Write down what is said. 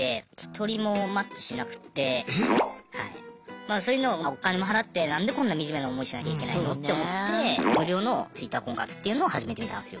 まあそういうのもお金も払って何でこんなにみじめな思いしなきゃいけないのって思って無料のＴｗｉｔｔｅｒ婚活っていうのを始めてみたんすよ。